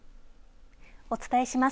お伝えします。